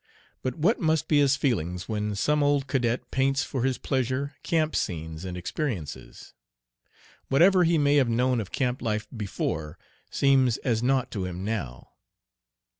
But what must be his feelings when some old cadet paints for his pleasure camp scenes and experiences? Whatever he may have known of camp life before seems as naught to him now.